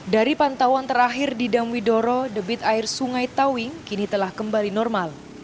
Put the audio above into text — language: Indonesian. dari pantauan terakhir di damwidoro debit air sungai tawing kini telah kembali normal